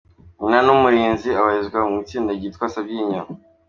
Nyina ni Umulinzi abarizwa mu itsinda ryitwa Sabyinyo.